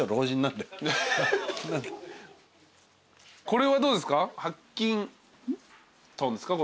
これはどうですか？